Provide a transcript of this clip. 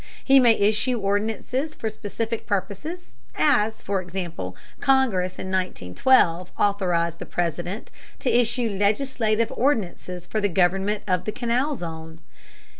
He may issue ordinances for specific purposes, as, for example, Congress in 1912 authorized the President to issue legislative ordinances for the government of the Canal Zone.